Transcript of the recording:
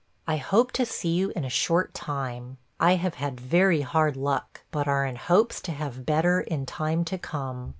I hope to see you in a short time. I have had very hard luck, but are in hopes to have better in time to come.